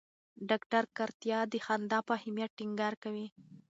ډاکټر کتاریا د خندا په اهمیت ټینګار کوي.